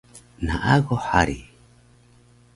Naaguh hari